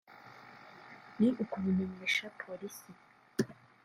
ni ukubimenyesha Polisi